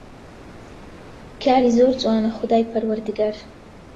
کاری زۆر جوانە خودای پەروەردگار